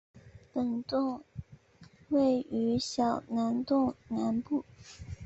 本洞位于小公洞南部。